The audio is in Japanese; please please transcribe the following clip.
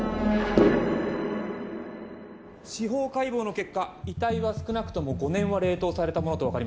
司法解剖の結果遺体は少なくとも５年は冷凍されたものと分かりました。